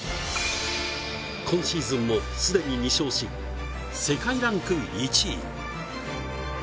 今シーズンも既に２勝し世界ランク１位。